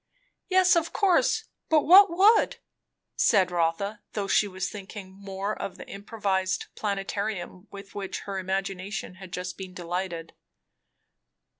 "Yes, of course. But what would?" said Rotha, though she was thinking more of the improvised planetarium with which her imagination had just been delighted.